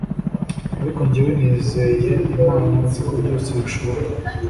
ariko njyewe nizeye Imana nziko byose bishoboka